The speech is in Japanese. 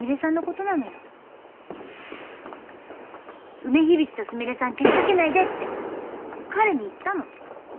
梅響とすみれさんけしかけないでって彼に言ったの。